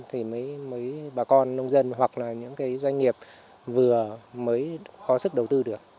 thì mới bà con nông dân hoặc là những cái doanh nghiệp vừa mới có sức đầu tư được